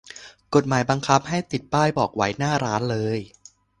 กฎหมายบังคับให้ติดป้ายบอกไว้หน้าร้านเลย